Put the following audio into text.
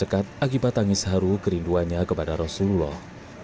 selalu tercekat akibat tangis haru kerinduannya kepada rasulullah